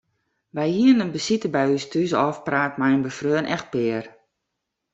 Wy hiene in besite by ús thús ôfpraat mei in befreone echtpear.